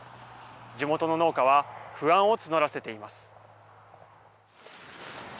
地元の農家は不安を募らせています。